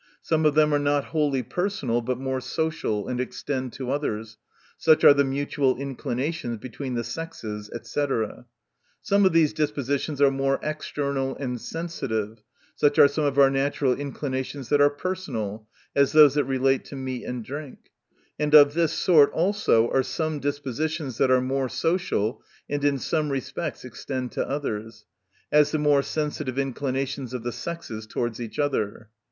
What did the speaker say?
Some of them are not wholly personal, but more social, and extend to others ; such are the mutual inclinations between the sexes, &c. — Some of these dispositions are more external and sensitive ; such are some of our natural inclinations that are personal — as those that relate to meat and drink. And of this sort also are some dispositions that are more social, and in some respects extend to others ; as, the more sensitive inclinations of the sexes towards each other.